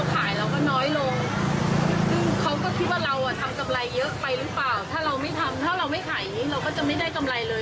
ถ้าเราไม่ทำถ้าเราไม่ขายเราก็จะไม่ได้กำไรเลย